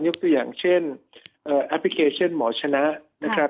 ยกตัวอย่างเช่นแอปพลิเคชันหมอชนะ